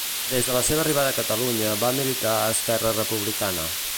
Des de la seva arribada a Catalunya va militar a Esquerra Republicana.